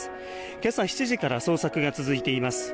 けさ７時から捜索が続いています。